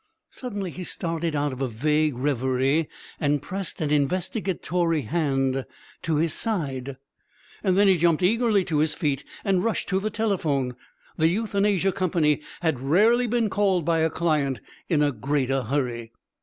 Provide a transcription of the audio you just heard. Suddenly he started out of a vague reverie and pressed an investigatory hand to his side. Then he jumped eagerly to his feet and rushed to the telephone. The Euthanasia Company had rarely been called by a client in a greater hurry.